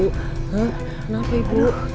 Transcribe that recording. hah kenapa ibu